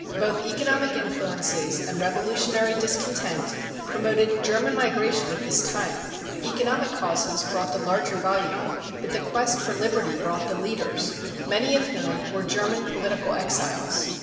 Both economic influences and revolutionary discontent promoted German migration at this time; economic causes brought the larger volume, but the quest for liberty brought the leaders, many of whom were German political exiles.